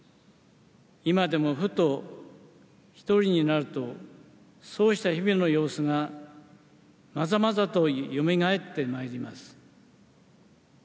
今でもふと、１人になると、そうした日々の様子がまざまざとよみがえってまいります。